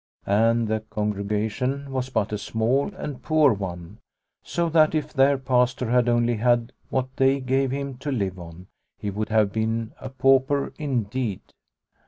And the congregation was but a small and poor one, so that if their Pastor had only had what they gave him to live on, he would have been a pauper indeed.